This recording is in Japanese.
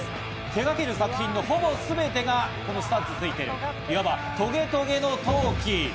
手がける作品のほぼすべてがこのスタッズがついている、いわばトゲトゲの陶器。